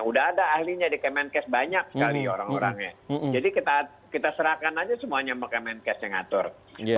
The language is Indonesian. udah ada ahlinya di kemenkes banyak sekali orang orangnya jadi kita serahkan aja semuanya ke kemenkes yang ngatur